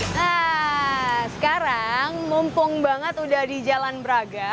nah sekarang mumpung banget udah di jalan braga